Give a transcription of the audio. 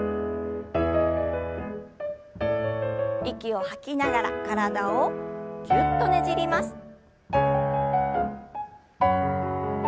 息を吐きながら体をぎゅっとねじります。